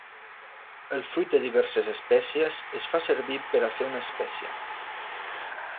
El fruit de diverses espècies es fa servir per a fer una espècia.